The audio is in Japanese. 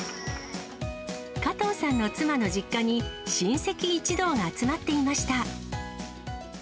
加藤さんの妻の実家に、親戚一同が集まっていました。